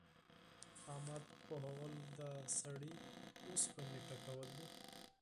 احمد پوهول؛ د سړې اوسپنې ټکول دي.